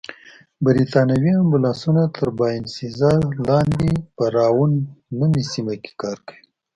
بریتانوي امبولانسونه تر باینسېزا لاندې په راون نومي سیمه کې کار کوي.